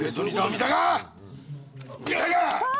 見たいか！